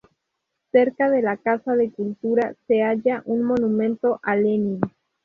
Cerca de la Casa de Cultura se halla un monumento a Lenin.